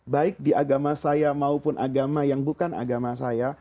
baik di agama saya maupun agama yang bukan agama saya